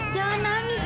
kami percaya sama kakak